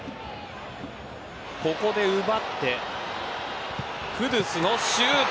ここで奪ってクドゥスのシュート。